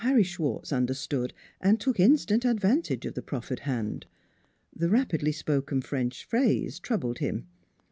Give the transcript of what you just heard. Harry Schwartz understood and took instant advantage of the proffered hand; the rapidly spoken French phrase troubled him.